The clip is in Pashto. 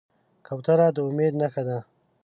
کوتره د امید نښه ده.